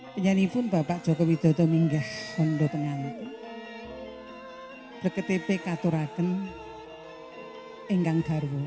penyanyi pun bapak joko widodo minggah hondo tengang belketipe katuraken engganggaru